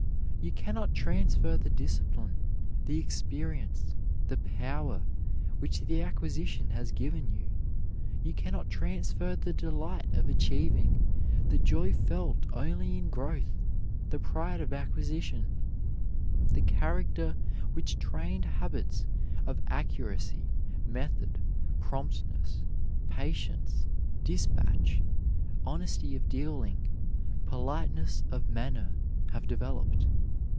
You can not transfer the discipline, the experience, the power, which the acquisition has given you; you can not transfer the delight of achieving, the joy felt only in growth, the pride of acquisition, the character which trained habits of accuracy, method, promptness, patience, dispatch, honesty of dealing, politeness of manner have developed.